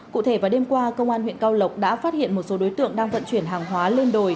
cụ thể vào đêm qua công an huyện cao lộc đã phát hiện một số đối tượng đang vận chuyển hàng hóa lên đồi